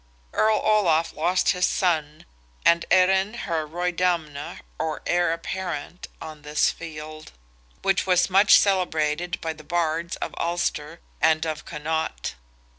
Earl Olaf lost his son, and Erin her Roydamna, or heir apparent, on this field, which was much celebrated by the Bards of Ulster and of Connaught.